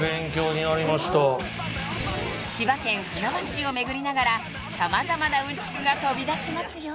［千葉県船橋市を巡りながら様々なうんちくが飛び出しますよ］